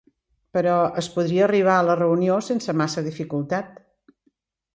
Però es podia arribar a la reunió sense massa dificultat.